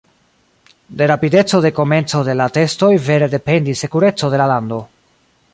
De rapideco de komenco de la testoj vere dependis sekureco de la lando.